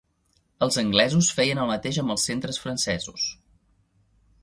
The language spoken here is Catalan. Els anglesos feien el mateix amb els centres francesos.